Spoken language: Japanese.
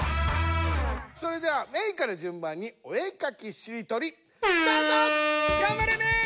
それではメイからじゅんばんにお絵かきしりとりがんばれメイ！